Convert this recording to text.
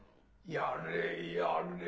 やれやれ